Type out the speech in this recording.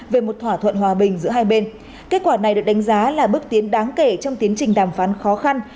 về một thỏa thuận hòa bình giữa hai bên kết quả này được đánh giá là bước tiến đáng kể trong tiến trình đàm phán khó khăn